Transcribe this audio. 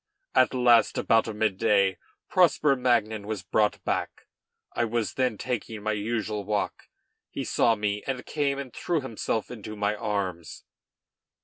At last, about mid day, Prosper Magnan was brought back. I was then taking my usual walk; he saw me, and came and threw himself into my arms.